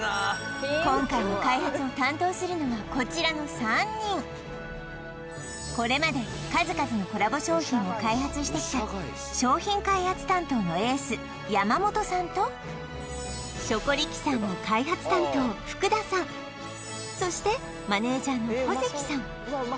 今回の開発を担当するのはこちらの３人これまで数々のコラボ商品を開発してきた商品開発担当のエース山本さんとショコリキサーの開発担当福田さんそしてマネージャーの小関さん